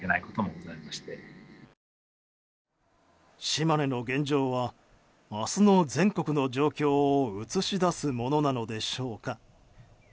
島根の現状は明日の全国の状況を映し出すものなのでしょうか。